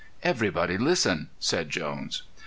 "Everybody listen," said Jones.